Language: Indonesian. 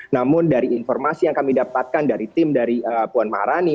namun dari informasi yang kami dapatkan dari tim dari puan maharani